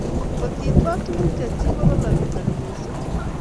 kot i twa tuguk che chik ko lalamikani mising